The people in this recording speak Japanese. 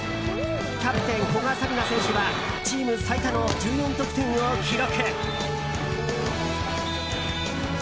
キャプテン、古賀紗理那選手はチーム最多の１４得点を記録。